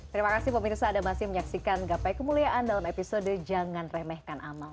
terima kasih pemirsa ada masih menyaksikan gapai kemuliaan dalam episode jangan remehkan amal